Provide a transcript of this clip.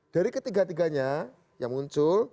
dari ketiga tiganya yang muncul